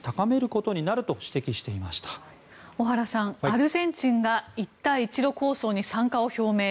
アルゼンチンが一帯一路構想に参加を表明。